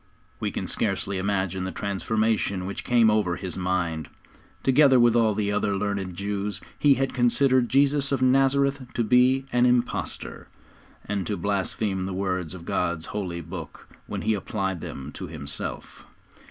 We can scarcely imagine the transformation which came over his mind. Together with all the other learned Jews he had considered Jesus of Nazareth to be an impostor, and to blaspheme the words of God's Holy Book when He applied them to Himself.